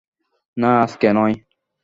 না, আজকে নয়।